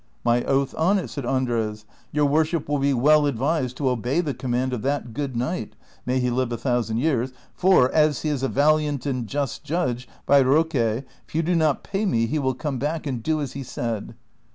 " My oath on it," said Andres, " your worship will be well advised to obey the command of that good knight — may he live a thousand years — for, as he is a valiant and just judge^ by Roque,"^ if you do not pay me, he will come back and do as he said."